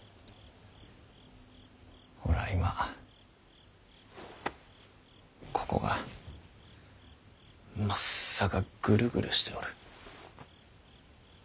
俺は今ここがまっさかぐるぐるしておる。